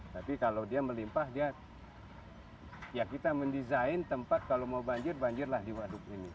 tapi kalau dia melimpah dia ya kita mendesain tempat kalau mau banjir banjirlah di waduk ini